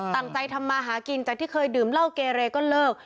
ตั้งใจทำมาหากินจากที่เคยดื่มเหล้าเกเรก็เลิก